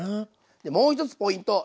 でもう一つポイント！